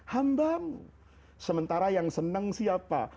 hambamu sementara yang senang siapa